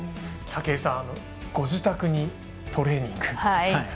武井さん、ご自宅にトレーニング。